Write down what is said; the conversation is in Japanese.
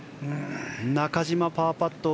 中島のパーパット。